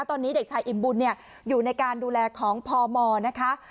ตอนนี้เด็กชายอิ่มบุญอยู่ในการดูแลของพมนะคะ